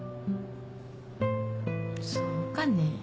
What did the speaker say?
そうかね。